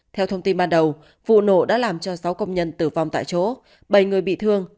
theo thông tin ban đầu vụ nổ đã làm cho sáu công nhân tử vong tại chỗ bảy người bị thương